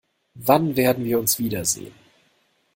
Wann werden wir uns wiedersehen?